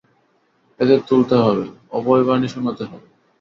এদের তুলতে হবে, অভয়বাণী শোনাতে হবে।